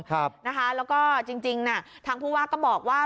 แล้วก็จริงทางผู้ว่าก็บอกว่า